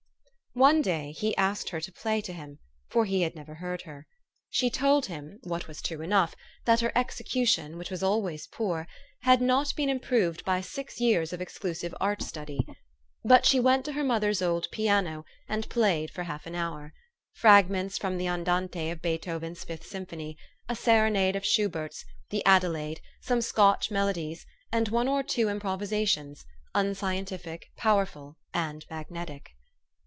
One day he asked her to play to him, for he had never heard her. She told him, what was true enough, that her execution, which was always poor, had not been improved by six years of exclusive art 214 TOE STORY OF AVIS. study. But she went to her mother's old piano, and played for half an hour, fragments from the An dante of Beethoven's Fifth Symphony, a serenade of Schubert's, the Adelaide, some Scotch melodies, and one or two improvisations, unscientific, power ful, and magnetic.